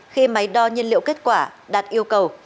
khi máy đo nhiên liệu kết quả đạt yêu cầu